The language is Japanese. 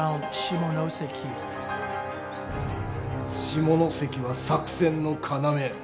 下関は作戦の要。